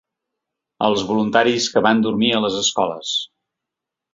Als voluntaris que van dormir a les escoles.